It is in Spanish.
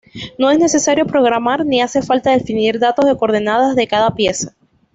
No es necesario programar ni hace falta definir datos de coordenadas de cada pieza.